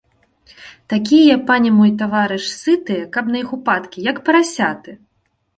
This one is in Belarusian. Такія, пане мой, таварыш, сытыя, каб на іх упадкі, як парасяты.